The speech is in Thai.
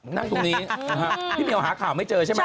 นั่งตรงนี้พี่เมียวหาข่าวไม่เจอใช่ไหม